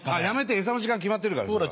やめて餌の時間決まってるから。